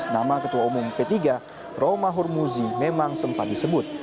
nama ketua umum p tiga roma hurmuzi memang sempat disebut